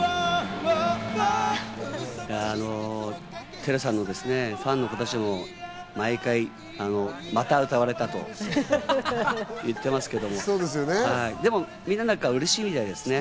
ＴＥＲＵさんのファンの方たちもまた歌われたと言ってますけれども、でも、みんな嬉しいみたいですね。